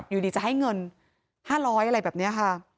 อยู่ดีจะให้เงินถึง๕๐๐อะไรแบบเนี้ย